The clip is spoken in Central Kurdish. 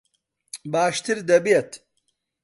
باشتر دەبێت.